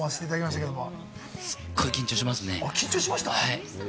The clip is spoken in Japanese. すごい緊張しますね。